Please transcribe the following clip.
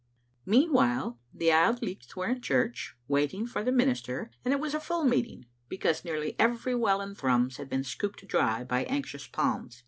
Meanwhile the Auld Lichts were in church, waiting for their minister, and it was a full meeting, because nearly every well in Thrums had been scooped dry by anxious palms.